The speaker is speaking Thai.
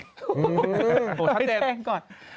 หิ้ถูกชัดแปลงก่อน